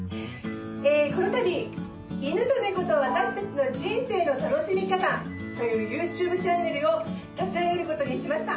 このたび「犬と猫とわたし達の人生の楽しみ方」というＹｏｕＴｕｂｅチャンネルを立ち上げることにしました。